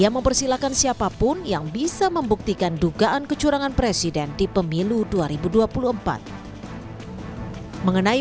yang mempersilahkan siapapun yang bisa membuktikan dugaan kecurangan presiden di pemilu dua ribu dua puluh empat mengenai